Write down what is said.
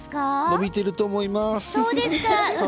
伸びていると思います。